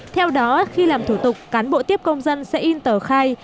theo đó khi làm thủ tục cán bộ tiếp công dân sẽ in tờ khai